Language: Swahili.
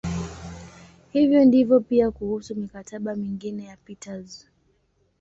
Hivyo ndivyo pia kuhusu "mikataba" mingine ya Peters.